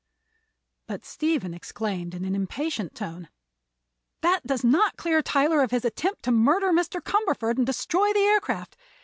But Stephen exclaimed, in an impatient tone: "That does not clear Tyler of his attempt to murder Mr. Cumberford and destroy the aircraft.